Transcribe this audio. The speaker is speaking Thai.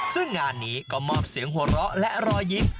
ซึ่งงานนี้ก็มอบเสียงหัวเราะและรอยยิ้ม